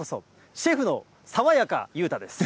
シェフの爽やか裕太です。